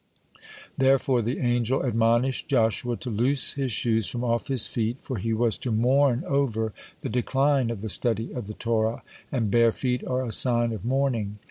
Therefore the angel admonished Joshua to loose his shoes from off his feet, for he was to mourn over the decline of the study of the Torah, (18) and bare feet are a sign of mourning.